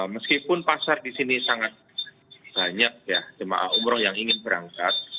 meskipun pasar di sini sangat banyak ya jemaah umroh yang ingin berangkat